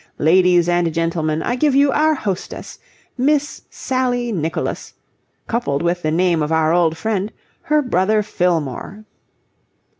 Ladies and gentlemen, I give you our hostess, Miss Sally Nicholas, coupled with the name of our old friend, her brother Fillmore."